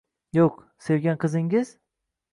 — Yoʼq, sevgan qizingiz?..